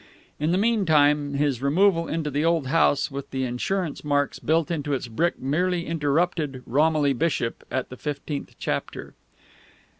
In the meantime, his removal into the old house with the insurance marks built into its brick merely interrupted Romilly Bishop at the fifteenth chapter.